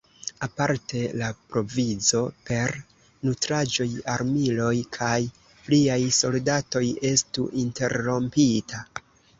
Aparte la provizo per nutraĵoj, armiloj kaj pliaj soldatoj estu interrompita.